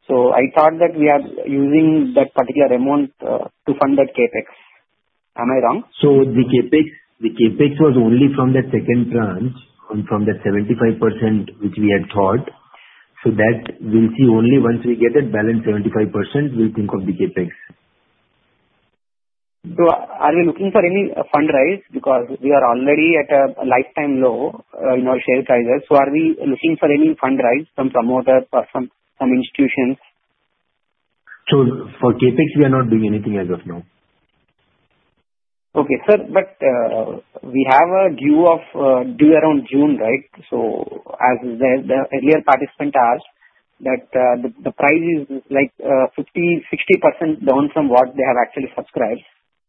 So I thought that we are using that particular amount to fund that CapEx. Am I wrong? The Capex, the Capex was only from the second tranche and from the 75% which we had thought. So that we'll see only once we get that balance 75%, we'll think of the Capex. So are we looking for any fundraise? Because we are already at a lifetime low in our share prices. So are we looking for any fundraise from promoters or from some institutions? For Capex, we are not doing anything as of now. Okay, sir, but we have a due date around June, right? So as the earlier participant asked, that the price is like 50-60% down from what they have actually subscribed.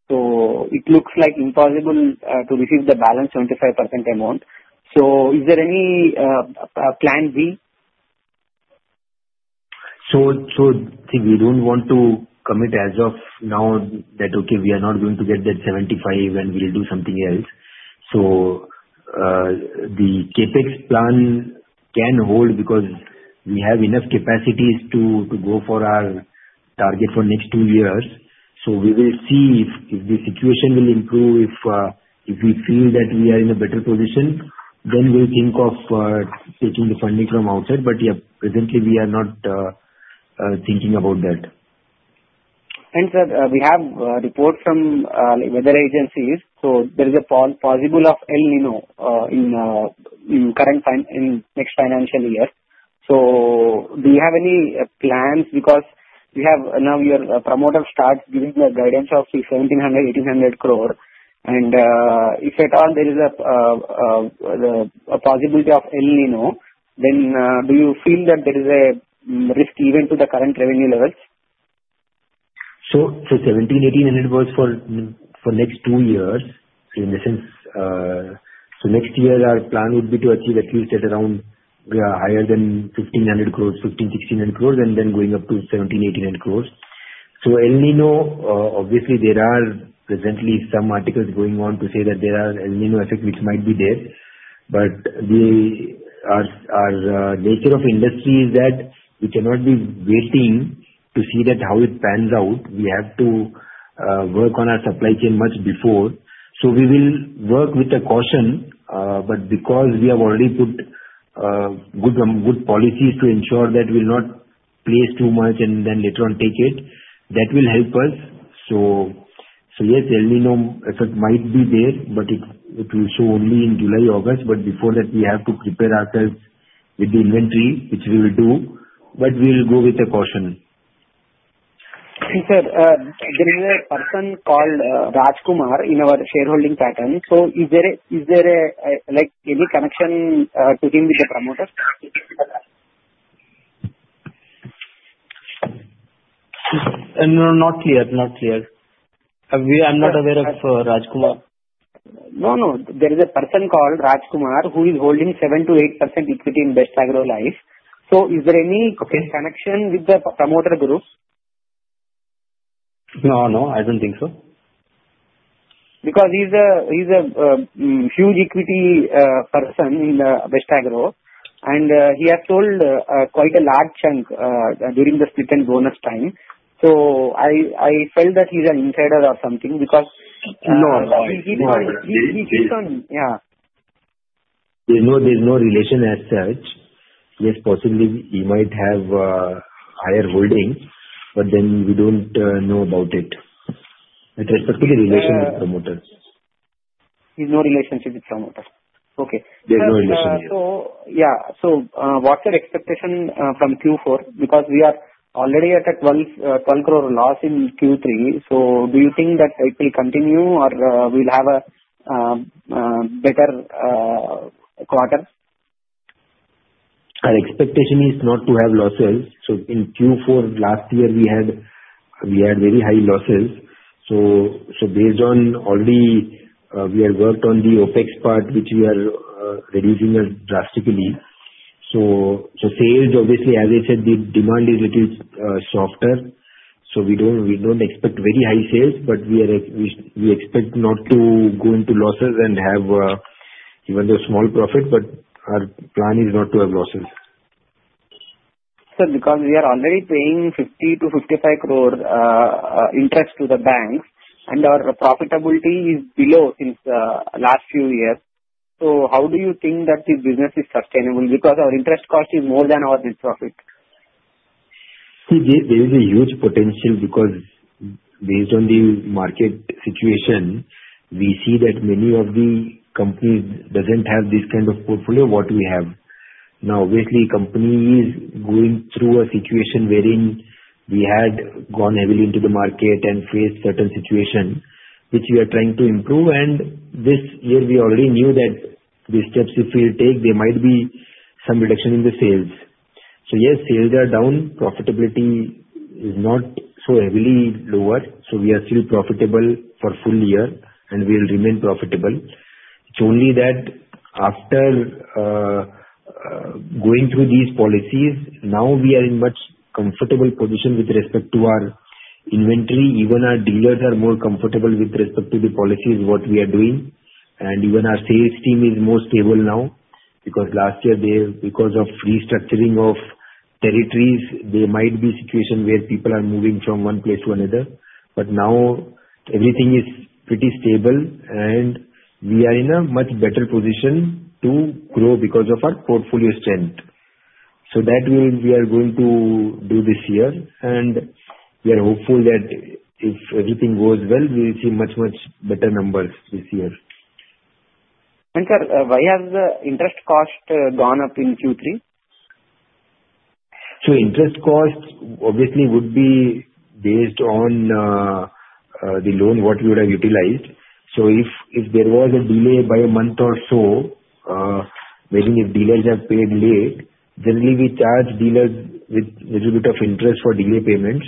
So it looks like impossible to receive the balance 75% amount. So is there any plan B? So, I think we don't want to commit as of now that, okay, we are not going to get that 75 and we'll do something else. So, the Capex plan can hold because we have enough capacities to go for our target for next two years. So we will see if the situation will improve. If we feel that we are in a better position, then we'll think of taking the funding from outside. But yeah, presently we are not thinking about that. ... Sir, we have report from weather agencies, so there is a possibility of El Niño in next financial year. So do you have any plans? Because we have now your promoter start giving the guidance of 1,700 crore-1,800 crore, and if at all there is a possibility of El Niño, then do you feel that there is a risk even to the current revenue levels? So, 17, 18, and it was for next two years. So in the sense, next year our plan would be to achieve at least around higher than 1,500 crore, 1,500-1,600 crore, and then going up to 1,700-1,800 crore. So El Niño, obviously there are presently some articles going on to say that there are El Niño effect which might be there. But our nature of industry is that we cannot be waiting to see how it pans out. We have to work on our supply chain much before. So we will work with caution, but because we have already put good policies to ensure that we'll not place too much and then later on take it, that will help us. Yes, El Niño effect might be there, but it will show only in July, August, but before that, we have to prepare ourselves with the inventory, which we will do, but we will go with a caution. Sir, there is a person called Raj Kumar in our shareholding pattern. So, is there a, like, any connection to him with the promoter? No, not clear. Not clear. I'm not aware of Raj Kumar. No, no. There is a person called Raj Kumar, who is holding 7%-8% equity in Best Agrolife. So is there any- Okay. connection with the promoter group? No, no, I don't think so. Because he's a huge equity person in Best Agro, and he has sold quite a large chunk during the split and bonus time. So I felt that he's an insider or something, because- No, no. He keeps on... Yeah. There's no, there's no relation as such. Yes, possibly he might have higher holding, but then we don't know about it, with respect to any relation with promoters. There's no relationship with promoters. Okay. There's no relationship. So, yeah. So, what's your expectation from Q4? Because we are already at a 12 crore loss in Q3, so do you think that it will continue or we'll have a better quarter? Our expectation is not to have losses. So in Q4 last year, we had very high losses. So based on already, we have worked on the OpEx part, which we are reducing it drastically. So sales, obviously, as I said, the demand is a little softer, so we don't expect very high sales, but we expect not to go into losses and have even the small profit, but our plan is not to have losses. Sir, because we are already paying 50-55 crore interest to the banks, and our profitability is below since last few years, so how do you think that the business is sustainable? Because our interest cost is more than our net profit. See, there, there is a huge potential because based on the market situation, we see that many of the companies doesn't have this kind of portfolio what we have. Now, obviously, company is going through a situation wherein we had gone heavily into the market and faced certain situation, which we are trying to improve, and this year we already knew that the steps if we will take, there might be some reduction in the sales. So yes, sales are down, profitability is not so heavily lower, so we are still profitable for full year, and we'll remain profitable. It's only that after, going through these policies, now we are in much comfortable position with respect to our inventory. Even our dealers are more comfortable with respect to the policies what we are doing, and even our sales team is more stable now. Because last year they... Because of restructuring of territories, there might be situation where people are moving from one place to another, but now everything is pretty stable, and we are in a much better position to grow because of our portfolio strength. So that way, we are going to do this year, and we are hopeful that if everything goes well, we will see much, much better numbers this year. Sir, why has the interest cost gone up in Q3? Interest cost obviously would be based on the loan what you would have utilized. So if there was a delay by a month or so, wherein if dealers have paid late, then we charge dealers with little bit of interest for delay payments.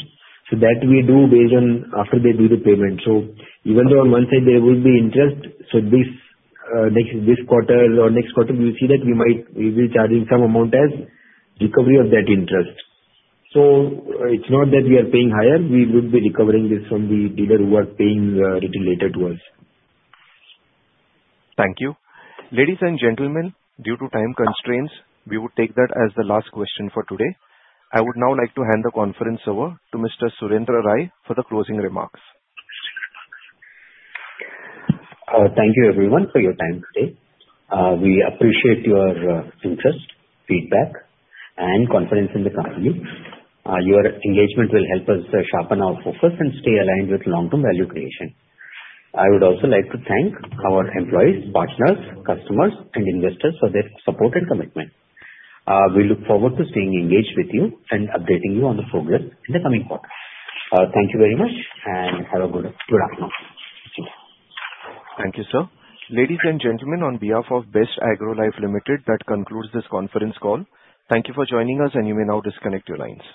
So that we do based on after they do the payment. So even though on one side there will be interest, so this next this quarter or next quarter, we'll see that we might, we'll be charging some amount as recovery of that interest. So it's not that we are paying higher, we would be recovering this from the dealer who are paying little later to us. Thank you. Ladies and gentlemen, due to time constraints, we will take that as the last question for today. I would now like to hand the conference over to Mr. Surendra Rai for the closing remarks. Thank you everyone for your time today. We appreciate your interest, feedback, and confidence in the company. Your engagement will help us sharpen our focus and stay aligned with long-term value creation. I would also like to thank our employees, partners, customers, and investors for their support and commitment. We look forward to staying engaged with you and updating you on the progress in the coming quarter. Thank you very much and have a good afternoon. Thank you, sir. Ladies and gentlemen, on behalf of Best Agrolife Limited, that concludes this conference call. Thank you for joining us, and you may now disconnect your lines.